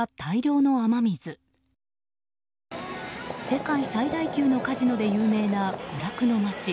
世界最大級のカジノで有名な娯楽の街。